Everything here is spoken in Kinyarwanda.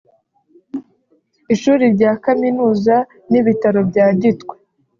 ishuri rya kaminuza n’ibitaro bya Gitwe